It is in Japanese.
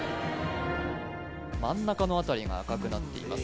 真ん中の辺りが赤くなっています